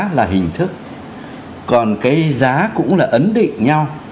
là hình thức còn cái giá cũng là ấn định nhau